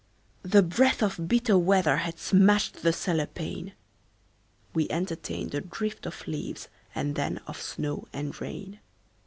The breath of bitter weather Had smashed the cellar pane: We entertained a drift of leaves And then of snow and rain.